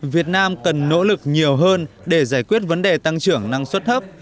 việt nam cần nỗ lực nhiều hơn để giải quyết vấn đề tăng trưởng năng suất thấp